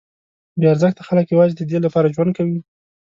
بې ارزښته خلک یوازې ددې لپاره ژوند کوي.